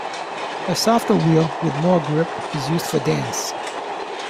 A softer wheel with more grip is used for dance.